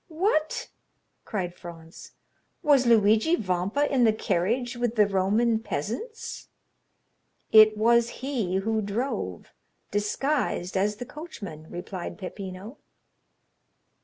"What?" cried Franz, "was Luigi Vampa in the carriage with the Roman peasants?" "It was he who drove, disguised as the coachman," replied Peppino.